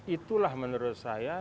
itulah menurut saya